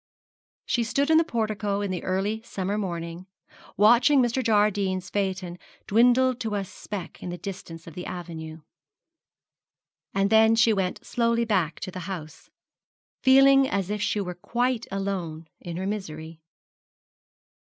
She stood in the portico in the early summer morning, watching Mr. Jardine's phaeton dwindle to a speck in the distance of the avenue, and then she went slowly back to the house, feeling as if she were quite alone in her misery.